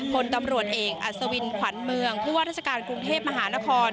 คนตำรวจเอกอัศวินขวัญเมืองผู้ว่าราชการกรุงเทพมหานคร